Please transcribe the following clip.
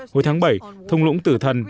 hồi tháng bảy thung lũng tử thần